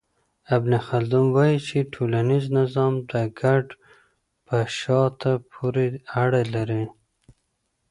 ابن خلدون وايي چي ټولنيز نظام د کډه په شاته پوري اړه لري.